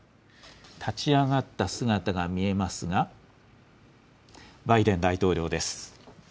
立ち上がった姿が見えますが、バイデン大統領です。